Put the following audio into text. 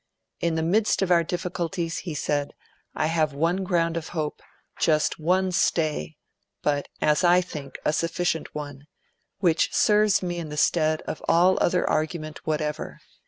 'In the midst of our difficulties, he said, 'I have one ground of hope, just one stay, but, as I think, a sufficient one, which serves me in the stead of all other argument whatever.